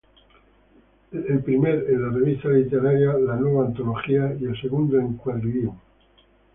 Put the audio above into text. El primer en la revista literaria "La Nuova Antología" y el segundo en "Quadrivium".